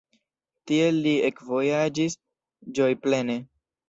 Tiel li ekvojaĝis ĝojplene.